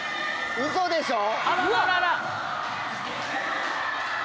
うそでしょう？